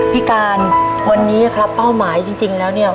พี่การวันนี้ครับเป้าหมายจริงแล้วเนี่ย